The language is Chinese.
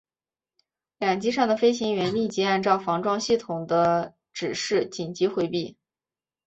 两机上的飞行员立即按照防撞系统的指示紧急回避。